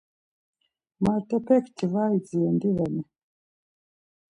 Martepekti, Var idziren diveni?